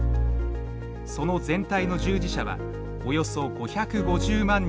その全体の従事者はおよそ５５０万人に上る。